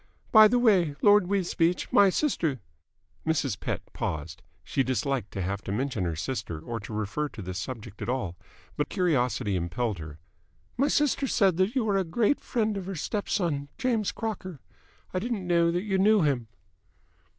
By the way, Lord Wisbeach, my sister " Mrs. Pett paused; she disliked to have to mention her sister or to refer to this subject at all, but curiosity impelled her "my sister said that you are a great friend of her step son, James Crocker. I didn't know that you knew him."